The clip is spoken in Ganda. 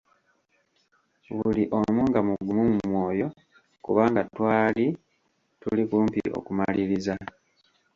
Buli omu nga mugumu mu mwoyo, kubanga twali tuli kumpi okumaliririza